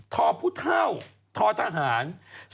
๑ทอพุท่าวทอทหาร๔๑๙๐